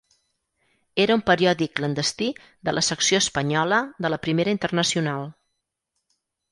Era un periòdic clandestí de la secció espanyola de la Primera Internacional.